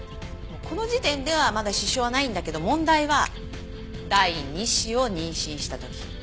この時点ではまだ支障はないんだけど問題は第二子を妊娠した時。